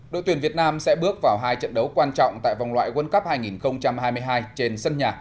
đội tuyển việt nam sẽ bước vào hai trận đấu quan trọng tại vòng loại world cup hai nghìn hai mươi hai trên sân nhà